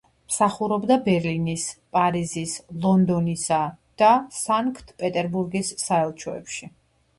მსახურობდა ბერლინის, პარიზის, ლონდონისა და სანქტ-პეტერბურგის საელჩოებში.